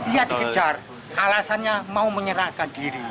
ia dikejar alasannya mau menyerahkan diri